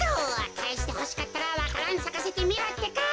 かえしてほしかったらわか蘭さかせてみろってか。